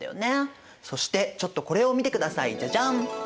そしてちょっとこれを見てくださいジャジャン！